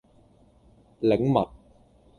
檸蜜